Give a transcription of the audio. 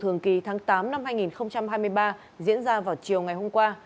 thường kỳ tháng tám năm hai nghìn hai mươi ba diễn ra vào chiều ngày hôm qua